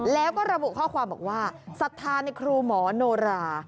แล้วก็ระบุข้อความบอกว่าศรัทธาในครูหมอโนรา